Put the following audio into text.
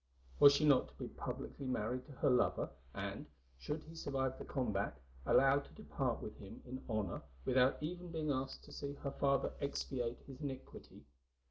Was she not to be publicly married to her lover, and, should he survive the combat, allowed to depart with him in honour without even being asked to see her father expiate his iniquity?